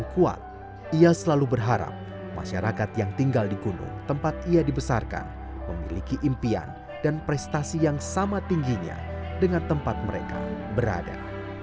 ia selalu berharap masyarakat yang tinggal di gunung tempat ia dibesarkan memiliki impian dan prestasi yang sama tingginya dengan tempat mereka berada